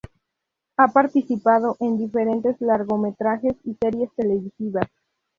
Ha participado en diferentes largometrajes y series televisivas.